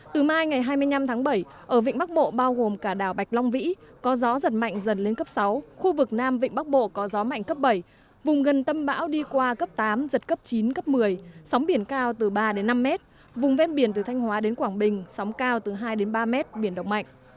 từ mai ngày hai mươi năm tháng bảy ở vịnh bắc bộ bao gồm cả đảo bạch long vĩ có gió giật mạnh dần lên cấp sáu khu vực nam vịnh bắc bộ có gió mạnh cấp bảy vùng gần tâm bão đi qua cấp tám giật cấp chín cấp một mươi sóng biển cao từ ba đến năm mét vùng ven biển từ thanh hóa đến quảng bình sóng cao từ hai ba m biển động mạnh